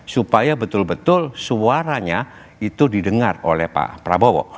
supaya betul betul suaranya itu didengar oleh pak prabowo